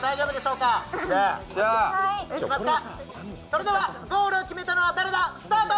それでは「ゴールを決めたのは誰だ！？」スタート！